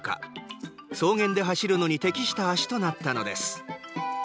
草原で走るのに適した足となったのです。